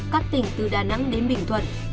các tỉnh từ đà nẵng đến bình thuận